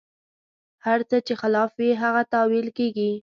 هر څه چې خلاف وي، هغه تاویل کېږي.